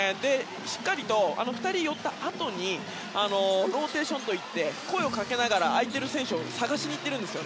しっかり２人寄ったあとにローテーションといって声をかけながら空いている選手を探しに行っているんです。